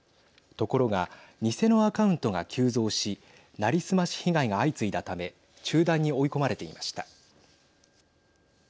ところが偽のアカウントが急増し成り済まし被害が相次いだため中断に追い込まれていました。